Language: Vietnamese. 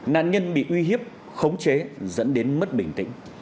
nạn nhân bị uy hiếp khống chế dẫn đến mất bình tĩnh